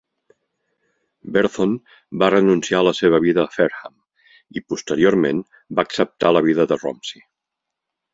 Berthon va renunciar a la seva vida a Fareham i, posteriorment, va acceptar la vida de Romsey.